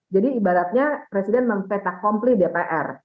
jadi ibaratnya presiden mempetak kompli dpr